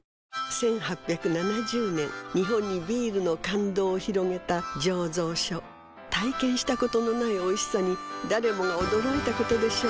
１８７０年日本にビールの感動を広げた醸造所体験したことのないおいしさに誰もが驚いたことでしょう